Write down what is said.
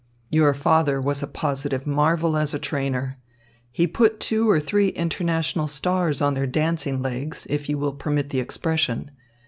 "Your father was a positive marvel as a trainer. He put two or three international stars on their dancing legs, if you will permit the expression.